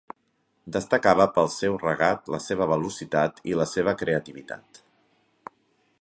Destacava pel seu regat, la seva velocitat i la seva creativitat.